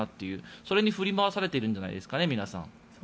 それに振り回されてるんじゃないですか皆さん。